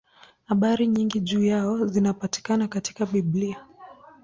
Habari nyingi juu yao zinapatikana katika Biblia.